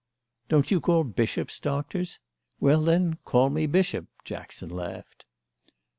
"Don't you call bishops Doctors? Well, then, call me Bishop!" Jackson laughed.